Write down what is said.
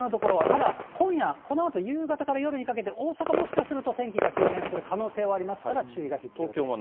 ただ今夜、このあと夕方から夜にかけて大阪もしかすると天気が急変する可能性はありますから、注意が必要です。